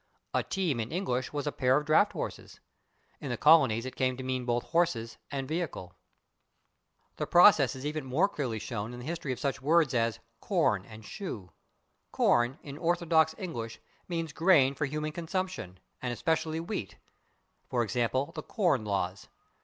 A /team/, in English, was a pair of draft horses; in the colonies it came to mean both horses and vehicle. The process is even more clearly shown in the history of such words as /corn/ and /shoe/. /Corn/, in orthodox English, means grain for human consumption, and especially wheat, /e. g./, the /Corn/ Laws.